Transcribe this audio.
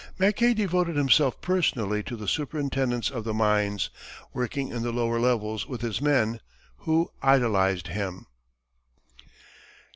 Mackay devoted himself personally to the superintendence of the mines, working in the lower levels with his men, who idolized him.